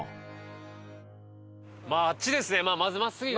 まああっちですね。